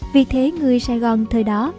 vì thế người sài gòn thời đó